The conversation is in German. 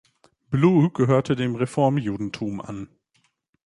Blue gehörte dem Reformjudentum an.